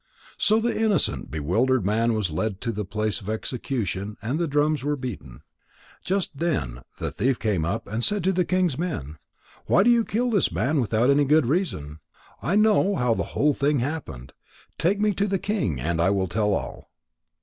So the innocent, bewildered man was led to the place of execution and the drums were beaten. Just then the thief came up and said to the king's men: "Why do you kill this man without any good reason? I know how the whole thing happened. Take me to the king, and I will tell all."